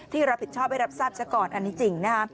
ที่รับผิดชอบให้รับทราบเจ้าก่อนอันนี้จริงนะ